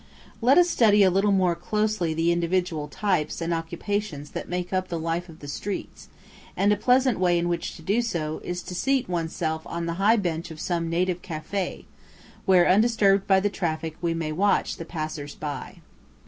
Let us study a little more closely the individual types and occupations that make up the life of the streets, and a pleasant way in which to do so is to seat oneself on the high bench of some native café, where, undisturbed by the traffic, we may watch the passers by.